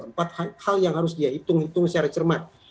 empat hal yang harus dihitung hitung secara cermat